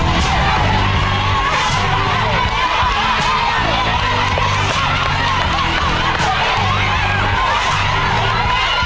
ลุกยุคตูกันแน่นะครับ